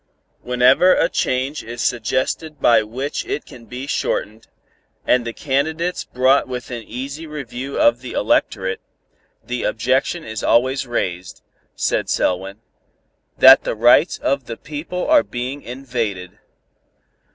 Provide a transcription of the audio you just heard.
"Whenever a change is suggested by which it can be shortened, and the candidates brought within easy review of the electorate, the objection is always raised," said Selwyn, "that the rights of the people are being invaded.